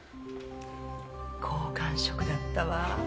好感触だったわ。